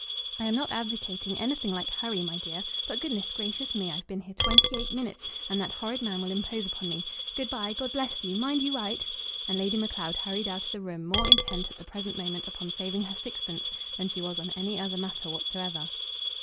"I am not advocating anything like hurry, my dear. But, goodness gracious me! I've been here twenty eight minutes, and that horrid man will impose upon me. Good bye; God bless you! Mind you write." And Lady Macleod hurried out of the room more intent at the present moment upon saving her sixpence than she was on any other matter whatsoever.